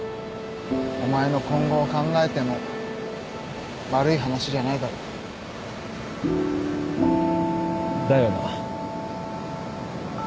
お前の今後を考えても悪い話じゃないだろ？だよな。